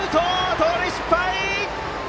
盗塁失敗！